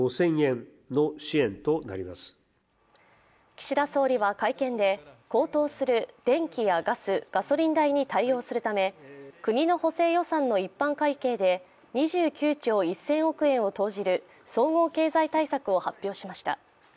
岸田総理は会見で高騰する電気やガスガソリン代に対応するため、国の補正予算の一般会計で２９兆１０００億円を投じる総合経済対策を発表しました。